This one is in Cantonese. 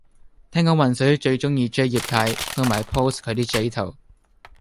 聽講渾水最鍾意 J 葉太，同埋 post 佢啲 J 圖